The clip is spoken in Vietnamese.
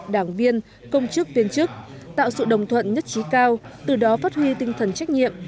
đảng viên công chức viên chức tạo sự đồng thuận nhất trí cao từ đó phát huy tinh thần trách nhiệm